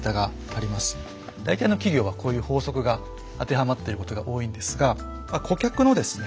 大体の企業はこういう法則が当てはまってることが多いんですが顧客のですね